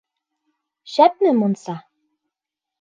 — Шәпме мунса?